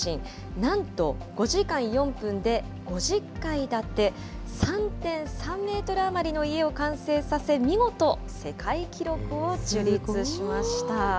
なんと５時間４分で、５０階建て、３．３メートル余りの家を完成させ、見事、世界記録を樹立しました。